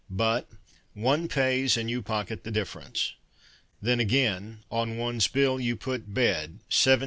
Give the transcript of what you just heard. But One pays, And you pocket the difference. Then, again, on one's bill You put Bed, 7s.